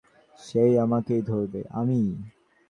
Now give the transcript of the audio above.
বিরক্ত হইয়া সে বিছানা ছাড়িয়া বাহির হইয়া আসিল।